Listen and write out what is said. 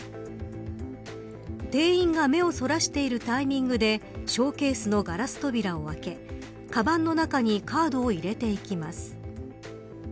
店員が目をそらしているタイミングでショーケースのガラス扉を開けかばんの中にカードを入れていきます。